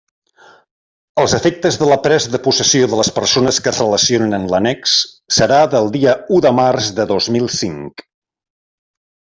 Els efectes de la presa de possessió de les persones que es relacionen en l'annex serà del dia u de març de dos mil cinc.